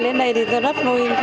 quê bác rất là đẹp